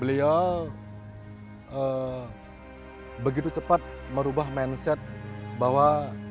beliau begitu cepat merubah mindset bahwa